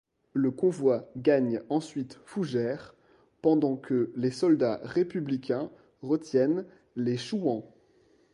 Le convoi gagne ensuite Fougères, pendant que les soldats républicains retiennent les chouans.